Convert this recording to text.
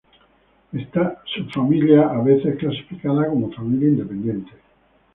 Esta subfamilia a veces es clasificada como familia independiente.